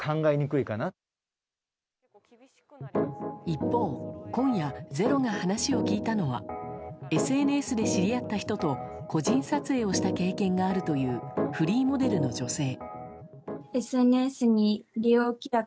一方、今夜「ｚｅｒｏ」が話を聞いたのはＳＮＳで知り合った人と個人撮影をした経験があるというフリーモデルの女性。